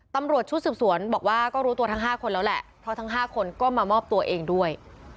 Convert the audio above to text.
ตำรวจชุดสืบสวนบอกว่าก็รู้ตัวทั้ง๕คนแล้วแหละเพราะทั้ง๕คนก็มามอบตัวเองด้วย